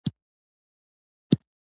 دوی خپل وخت په فتوحاتو تیر کړ.